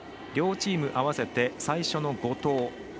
両チーム合わせて最初の５投。